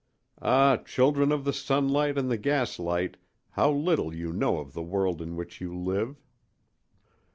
Ah, children of the sunlight and the gaslight, how little you know of the world in which you live!